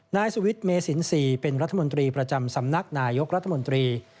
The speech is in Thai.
นายสุวิทย์เมสิน๔เป็นรัฐมนตรีประจำสำนักนายกรัฐมนตรี